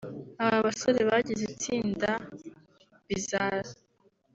Aba basore bagize itsinda Bizarre